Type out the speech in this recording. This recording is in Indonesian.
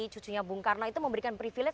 cucunya bung karno itu memberikan privilege